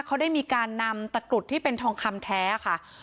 เขาได้มีการนำตะกรุดที่เป็นทองคำแท้ค่ะ